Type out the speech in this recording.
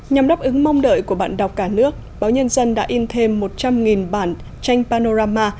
nhằm đáp ứng mong đợi của bạn đọc cả nước báo nhân dân đã in thêm một trăm linh bản tranh panorama